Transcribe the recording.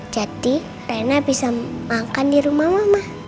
jadi rena bisa makan di rumah mama